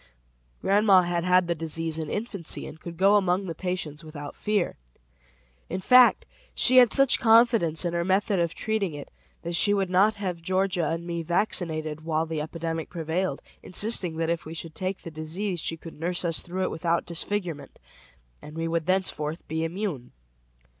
Grandma had had the disease in infancy and could go among the patients without fear. In fact, she had such confidence in her method of treating it, that she would not have Georgia and me vaccinated while the epidemic prevailed, insisting that if we should take the disease she could nurse us through it without disfigurement, and we would thenceforth be immune.